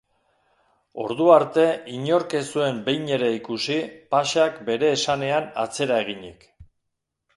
Ordu arte inork ez zuen behin ere ikusi pashak bere esanean atzera eginik.